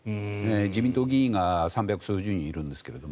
自民党議員が３００数十人いるんですけど。